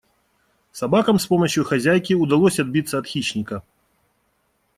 Собакам с помощью хозяйки удалось отбиться от хищника.